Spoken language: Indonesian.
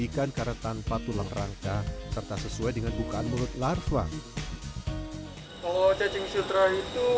ikan karena tanpa tulang rangka serta sesuai dengan bukaan mulut larva kalau cacing sutra itu